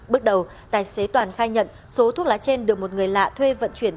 bước đầu tài xế toàn khai nhận số thuốc lá trên được một người lạ thuê vận chuyển